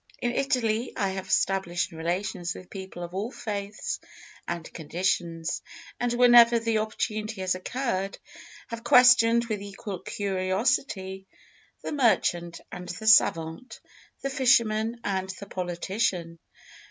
In Italy, I have established relations with people of all faiths and conditions, and whenever the opportunity has occurred, have questioned with equal curiosity the merchant and the savant, the fisherman and the politician.